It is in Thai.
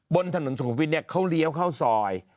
บนถนนสุขุมวิทย์เขาเลี้ยวเข้าซอย